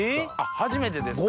初めてですか？